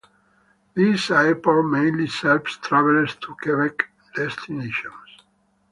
This airport mainly serves travellers to Quebec destinations.